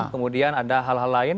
kemudian ada hal hal lain